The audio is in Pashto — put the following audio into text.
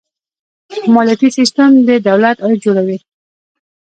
مالیاتي سیستم د دولت عاید جوړوي.